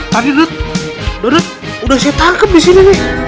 tadi dodot dodot udah saya tangkep disini nih